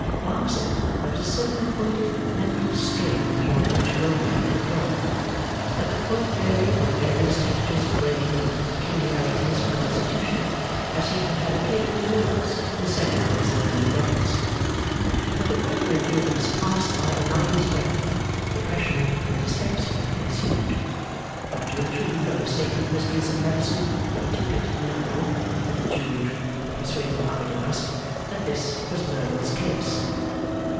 Bar said, there was a certain point of mental strain beyond which no man could go; that the point varied with various textures of brain and peculiarities of constitution, as he had had occasion to notice in several of his learned brothers; but the point of endurance passed by a line's breadth, depression and dyspepsia ensued. Not to intrude on the sacred mysteries of medicine, he took it, now (with the jury droop and persuasive eye glass), that this was Merdle's case?